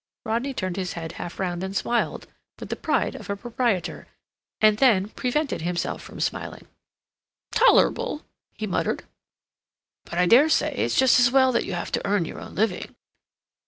Rodney turned his head half round and smiled, with the pride of a proprietor, and then prevented himself from smiling. "Tolerable," he muttered. "But I dare say it's just as well that you have to earn your own living."